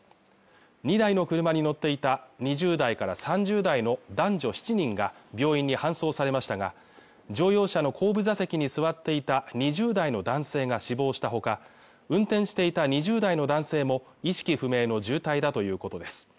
２台の車に乗っていた２０代から３０代の男女７人が病院に搬送されましたが乗用車の後部座席に座っていた２０代の男性が死亡したほか運転していた２０代の男性も意識不明の重体だということです